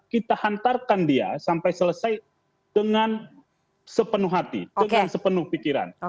kita hantarkan dia sampai selesai dengan sepenuh hati dengan sepenuh pikiran